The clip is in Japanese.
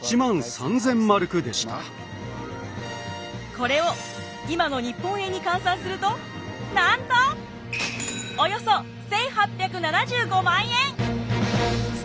これを今の日本円に換算するとなんとおよそ１，８７５万円！